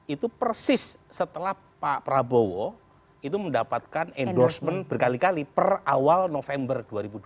itu persis setelah pak prabowo itu mendapatkan endorsement berkali kali per awal november dua ribu dua puluh